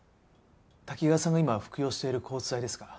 滝川さんが今服用している抗うつ剤ですが。